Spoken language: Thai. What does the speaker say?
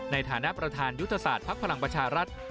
ในฐานะประธานยุทธศาสตร์ภักดิ์พลังประชารัฐ